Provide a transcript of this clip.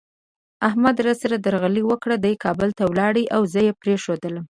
احمد را سره درغلي وکړه، دی کابل ته ولاړ او زه یې پرېښودلم.